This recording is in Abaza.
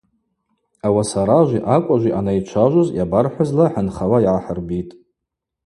Ауасаражви акӏважви анайчважвуз йабархӏвызла хӏынхауа йгӏахӏырбитӏ.